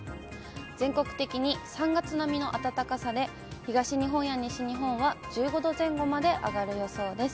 全国的に３月並みの暖かさで、東日本や西日本は１５度前後まで上がる予想です。